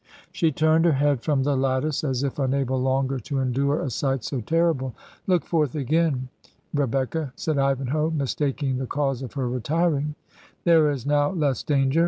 ... She turned her head from the lattice as if imable longer to endure a sight so terrible. 'Look forth again, Re becca,' said Ivanhoe, mistaking the cause of her retir ing. ... 'There is now less danger.'